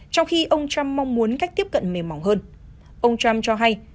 trong khi ông trump mong muốn cách tiếp cận mềm mỏng hơn ông trump cho hay